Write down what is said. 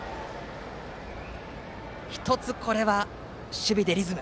１つこれは、守備でリズム。